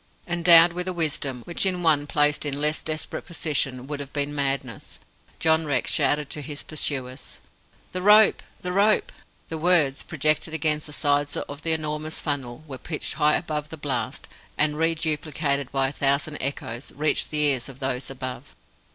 Endowed with a wisdom, which in one placed in less desperate position would have been madness, John Rex shouted to his pursuers. "The rope! the rope!" The words, projected against the sides of the enormous funnel, were pitched high above the blast, and, reduplicated by a thousand echoes, reached the ears of those above.